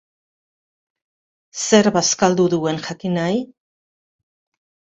Zer bazkaldu duen jakin nahi?